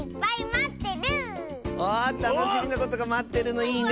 あたのしみなことがまってるのいいね！